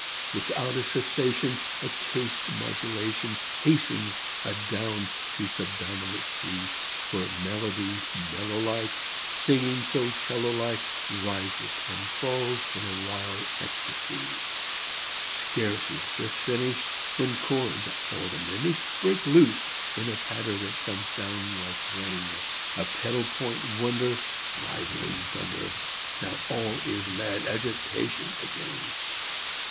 Without a cessation A chaste modulation Hastens adown to subdominant key, Where melody mellow like Singing so 'cello like Rises and falls in a wild ecstasy. Scarce is this finished When chords all diminished Break loose in a patter that comes down like rain, A pedal point wonder Rivaling thunder. Now all is mad agitation again.